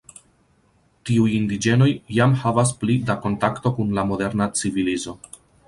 Tiuj indiĝenoj jam havas pli da kontakto kun la moderna civilizo.